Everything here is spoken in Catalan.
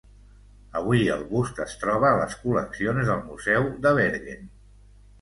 Avui, el bust es troba a les col·leccions del Museu de Bergen.